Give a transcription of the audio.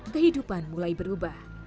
kehidupan mulai berubah